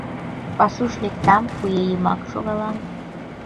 Пасуш лектам, куэ йымак шогалам